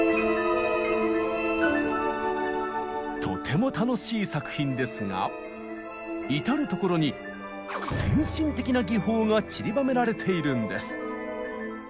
とても楽しい作品ですが至る所に先進的な技法がちりばめられているんです。